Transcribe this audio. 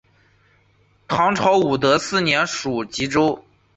唐朝武德四年属济州。